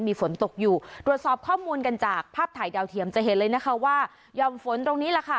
มีฝนตกอยู่ตรวจสอบข้อมูลกันจากภาพถ่ายดาวเทียมจะเห็นเลยนะคะว่ายอมฝนตรงนี้แหละค่ะ